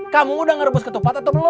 kamu udah ngerebus ketupat atau belum